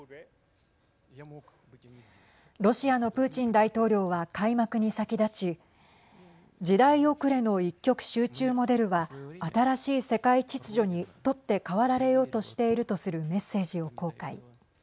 ロシアのプーチン大統領は開幕に先立ち時代遅れの一極集中モデルは新しい世界秩序に取って代わられようとしているとするメッセージを公開。